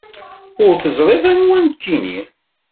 Ur teẓriḍ anwa nekkini.